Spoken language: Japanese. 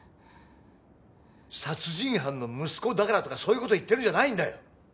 殺人犯の息子だからとかそういう事を言ってるんじゃないんだよ！